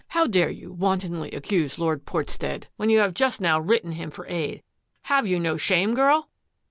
" How dare you wantonly accuse Lord Portstead when you have just now written him for aid? Have you no shame, girl?